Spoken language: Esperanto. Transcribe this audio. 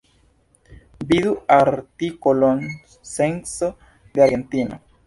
Vidu artikolon Censo de Argentino.